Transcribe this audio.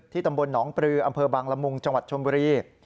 ตำบลหนองปลืออำเภอบังละมุงจังหวัดชนบุรี